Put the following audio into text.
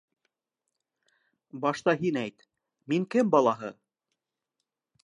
Башта һин әйт: мин кем балаһы?